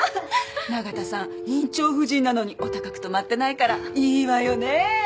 永田さん院長夫人なのにお高くとまってないからいいわよね。